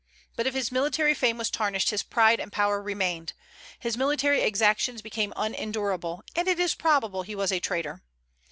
But if his military fame was tarnished, his pride and power remained. His military exactions became unendurable, and it is probable he was a traitor.